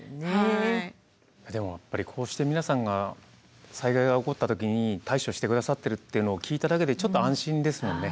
でもやっぱりこうして皆さんが災害が起こった時に対処して下さってるっていうのを聞いただけでちょっと安心ですもんね。